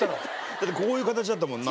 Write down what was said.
だってこういう形だったもん。